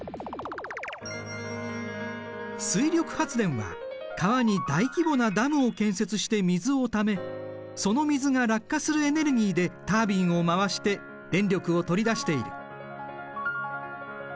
水力発電は川に大規模なダムを建設して水をためその水が落下するエネルギーでタービンを回して電力を取り出している。